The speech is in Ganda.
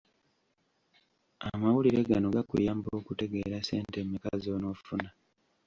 Amawulire gano gakuyamba okutegeera ssente mmeka z’onoofuna.